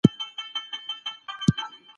که سوله وي موږ نور هم پرمختګ کوو.